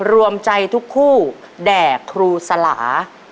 รวมใจทุกคู่แด่ครูสลา